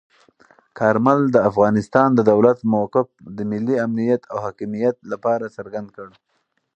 کارمل د افغانستان د دولت موقف د ملي امنیت او حاکمیت لپاره څرګند کړ.